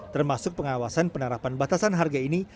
termasuk pengawasan penerapan batasan harga ini